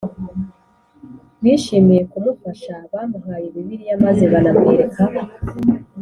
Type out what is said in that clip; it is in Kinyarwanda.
bishimiye kumufasha Bamuhaye Bibiliya maze banamwereka